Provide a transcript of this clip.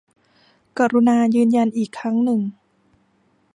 กรุณายืนยันอีกครั้งหนึ่ง